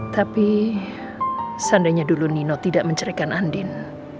tapi seandainya dulu nino tidak menceritakan anding